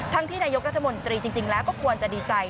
ที่นายกรัฐมนตรีจริงแล้วก็ควรจะดีใจ